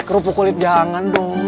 kerupuk kulit jangan dong